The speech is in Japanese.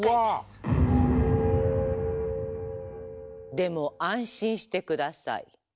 でも安心して下さい。